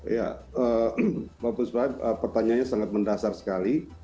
ya mbak puspa pertanyaannya sangat mendasar sekali